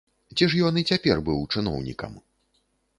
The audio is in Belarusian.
Ці ж ён і цяпер быў чыноўнікам?